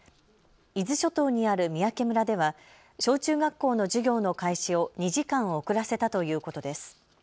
伊豆諸島にある三宅村では小中学校の授業の開始を２時間遅らせたということです。